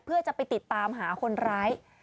เพื่อจะไปติดตามหาคนร้าย